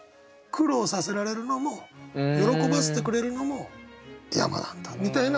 苦労させられるのも喜ばせてくれるのも山なんだみたいな歌なのかな。